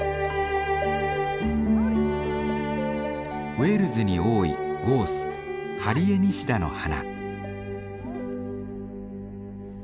ウェールズに多いゴースハリエニシダの花。